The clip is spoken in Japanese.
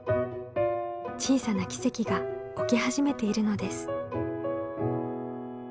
小さな奇跡が起き始めているのです。